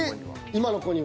今の子には。